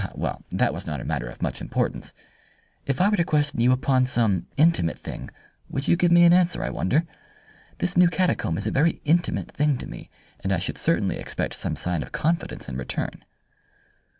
"Ah, well, that was not a matter of much importance. If I were to question you upon some intimate thing, would you give me an answer, I wonder! This new catacomb is a very intimate thing to me, and I should certainly expect some sign of confidence in return."